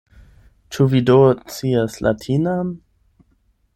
Ĉu vi do scias latinan?